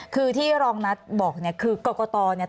คือที่รองนัทบอกเนี่ยคือกรกตเนี่ย